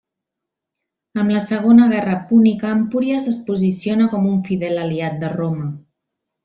Amb la Segona Guerra púnica, Empúries es posiciona com un fidel aliat de Roma.